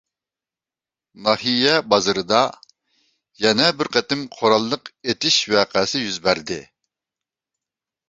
ناھىيە بازىرىدا يەنە بىر قېتىم قوراللىق ئېتىش ۋەقەسى يۈز بەردى.